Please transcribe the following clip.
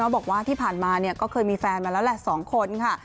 บอกว่าที่ผ่านมาก็เคยมีแฟนมาแล้วแหละ๒คนค่ะ